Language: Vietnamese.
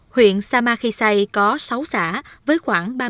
huyện samakhisay có sáu xã với khoảng ba mươi năm nhân khổ